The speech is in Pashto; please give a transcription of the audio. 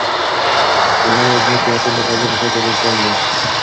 د سپوږمۍ او ځمکې واټن د فضا په کچه ډېر کم دی.